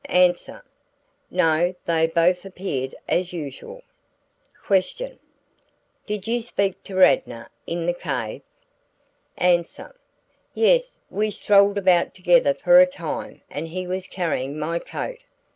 "A. 'No, they both appeared as usual.' "Q. 'Did you speak to Radnor in the cave?' "A. 'Yes, we strolled about together for a time and he was carrying my coat.